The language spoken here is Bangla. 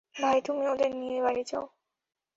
ভাই, তুমি ওদের নিয়ে বাড়ি যাও।